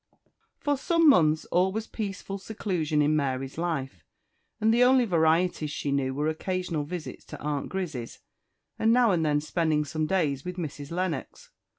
FOR some months all was peaceful seclusion in Mary's life, and the only varieties she knew were occasional visits to Aunt Grizzy's, and now and then spending some days with Mrs. Lennox.